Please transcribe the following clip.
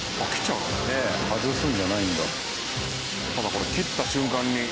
ただこれ切った瞬間に。